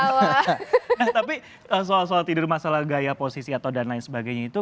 nah tapi soal soal tidur masalah gaya posisi atau dan lain sebagainya itu